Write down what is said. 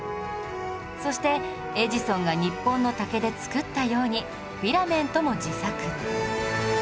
そしてエジソンが日本の竹で作ったようにフィラメントも自作